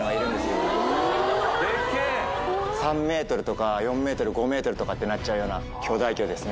３ｍとか４ｍ５ｍとかってなっちゃうような巨大魚ですね。